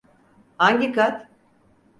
Hangi kat?